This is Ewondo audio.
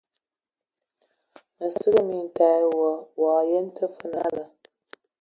Mə sə kig mintag ai wa, wa yəm tə fə nala.